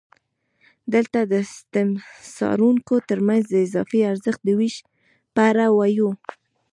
دلته د استثماروونکو ترمنځ د اضافي ارزښت د وېش په اړه وایو